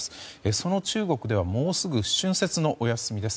その中国ではもうすぐ春節のお休みです。